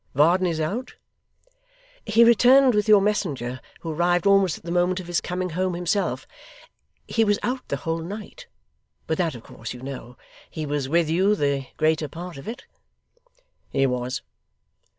Varden is out?' 'He returned with your messenger, who arrived almost at the moment of his coming home himself. He was out the whole night but that of course you know. He was with you the greater part of it?' 'He was.